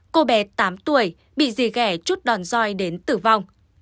cô bé tám tuổi bị dì ghẻ chút đòn roi đến tử vong